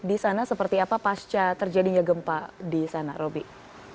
di sana seperti apa pasca terjadinya gempa di sana roby